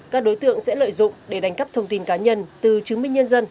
các đối tượng sẽ lợi dụng để đánh cắp thông tin cá nhân từ chứng minh nhân dân